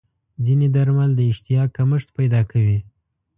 ځینې درمل د اشتها کمښت پیدا کوي.